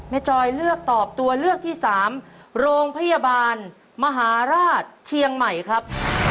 จอยเลือกตอบตัวเลือกที่สามโรงพยาบาลมหาราชเชียงใหม่ครับ